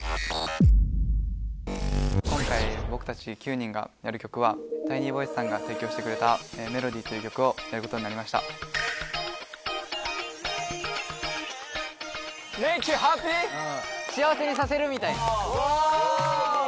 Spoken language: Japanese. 今回、僕たち９人がやる曲は、タイニーボイスさんが提供してくれた、メロディーという曲を歌う幸せにさせるみたいな。